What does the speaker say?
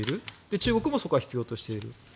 中国もそこは必要としている。